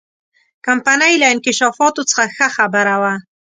کمپنۍ له انکشافاتو څخه ښه خبره وه.